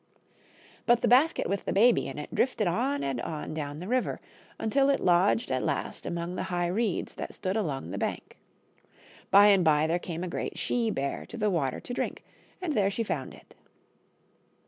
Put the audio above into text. But the basket with the baby in it drifted on and on down the river, until it lodged at last among the high reeds that stood along the bank. By and by there came a great she bear to the water to drink, and there she found it.